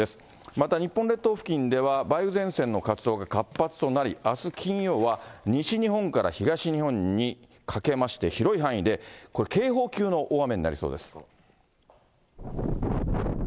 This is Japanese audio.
また日本列島付近では梅雨前線の活動が活発となり、あす金曜は西日本から東日本にかけまして、広い範囲でこれ警報級の大雨になりそうです。